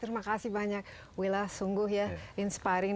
terima kasih banyak willa sungguh ya inspiring